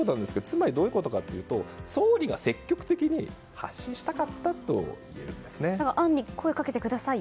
つまり、どういうことかというと総理が積極的に発信したかった暗に声をかけてください